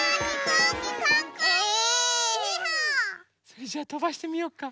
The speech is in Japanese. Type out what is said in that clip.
それじゃあとばしてみようか？